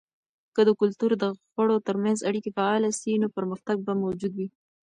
که د کلتور د غړو ترمنځ اړیکې فعاله سي، نو پرمختګ به موجود وي.